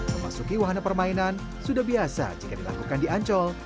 memasuki wahana permainan sudah biasa jika dilakukan di ancol